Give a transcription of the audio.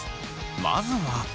まずは。